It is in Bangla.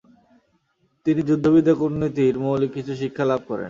তিনি যুদ্ধবিদ্যা কূটনীতির মৌলিক কিছু শিক্ষা লাভ করেন।